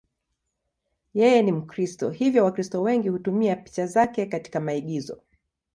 Yeye ni Mkristo, hivyo Wakristo wengi hutumia picha zake katika maigizo.